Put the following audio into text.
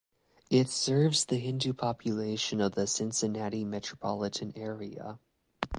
It serves the Hindu Population of the Cincinnati Metropolitan Area.